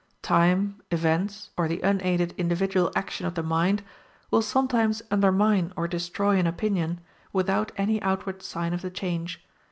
Time, events, or the unaided individual action of the mind, will sometimes undermine or destroy an opinion, without any outward sign of the change.